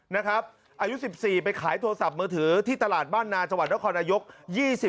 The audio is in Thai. อายุ๑๔ไปขายโทรศัพท์มือถือที่ตลาดบ้านนาจังหวัดนครนายก